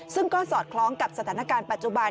ซึ่งก็สอดคล้องกับสถานการณ์ปัจจุบัน